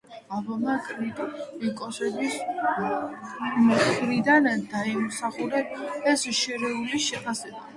ალბომმა კრიტიკოსების მხრიდან დაიმსახურა შერეული შეფასება.